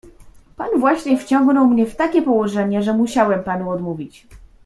"Pan właśnie wciągnął mnie w takie położenie, że musiałem panu odmówić."